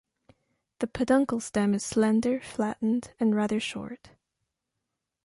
The peduncle stem is slender, flattened and rather short.